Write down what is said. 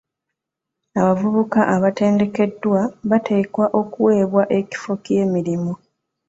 Abavubuka abatendekeddwa bateekeddwa okuwebwa ekifo ky'emirimu .